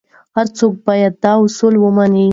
هر څوک باید دا اصول ومني.